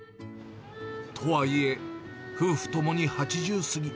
とはいえ、夫婦ともに８０過ぎ。